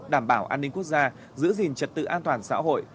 đảm bảo an ninh quốc gia giữ gìn trật tự an toàn xã hội